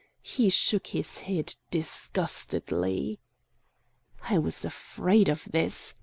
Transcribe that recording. He shook his head disgustedly. "I was afraid of this!"